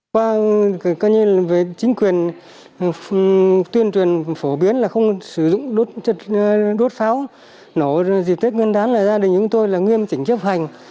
qua có như chính quyền tuyên truyền phổ biến là không sử dụng đốt pháo nổ dịp tết nguyên đán là gia đình chúng tôi là nguyên tỉnh chấp hành